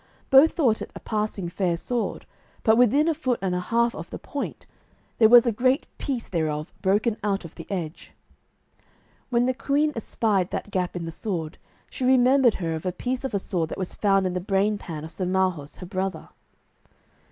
Both thought it a passing fair sword, but within a foot and a half of the point there was a great piece thereof broken out of the edge. When the queen espied that gap in the sword, she remembered her of a piece of a sword that was found in the brain pan of Sir Marhaus, her brother.